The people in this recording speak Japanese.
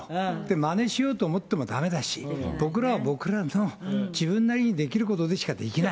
まねしようと思ってもだめだし、僕らは僕らの、自分なりにできることでしかできない。